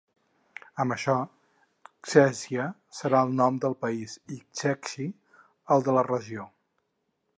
Amb això, ‘Czechia’ serà el nom del país i ‘Čechy’ el de la regió.